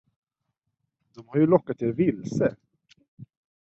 De har ju lockat er vilse.